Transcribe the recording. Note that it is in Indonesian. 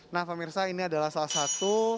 nah pak mirsa ini adalah salah satu